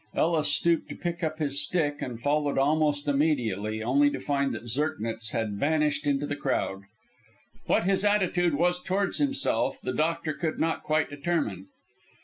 Ellis stooped to pick up his stick and followed almost immediately, only to find that Zirknitz had vanished into the crowd. What his attitude was towards himself, the doctor could not quite determine.